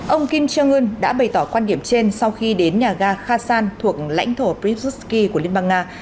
ông kim trương ươn đã bày tỏ quan điểm trên sau khi đến nhà ga khasan thuộc lãnh thổ prizutski của liên bang nga